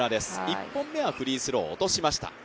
１本目はフリースロー落としました。